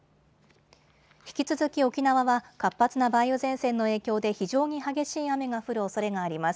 引き続き沖縄は活発な梅雨前線の影響で非常に激しい雨が降るおそれがあります。